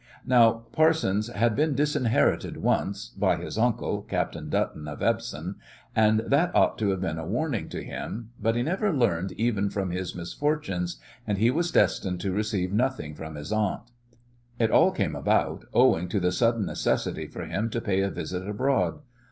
Now, Parsons had been disinherited once by his uncle, Captain Dutton, of Epsom and that ought to have been a warning to him, but he never learned even from his misfortunes, and he was destined to receive nothing from his aunt. It all came about owing to the sudden necessity for him to pay a visit abroad.